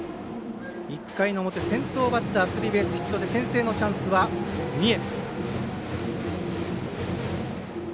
１回の表、先頭バッタースリーベースヒットで先制のチャンスは三重。